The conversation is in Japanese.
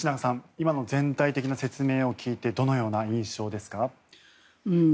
今の全体的な説明を聞いてどのような印象ですか？